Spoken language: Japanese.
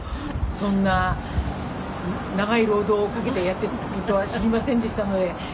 「そんな長い労働をかけてやってるとは知りませんでしたのですいませんでした」